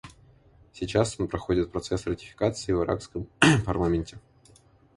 Сейчас он проходит процесс ратификации в иракском парламенте.